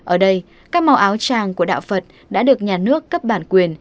ở đây các màu áo tràng của đạo phật đã được nhà nước cấp bản quyền